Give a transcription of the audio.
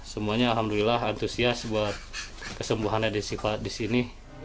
semuanya alhamdulillah antusias buat kesembuhannya desi sifah di sini